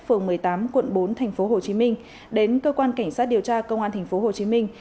phường một mươi tám quận bốn tp hcm đến cơ quan cảnh sát điều tra công an thành phố hồ chí minh